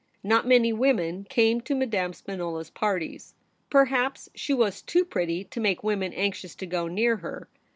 Not many women came to Madame Spinola's parties. Perhaps she was too pretty to make women anxious to go near her.